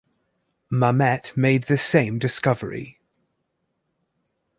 Mamet made the same discovery.